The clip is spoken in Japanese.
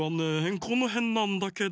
このへんなんだけど。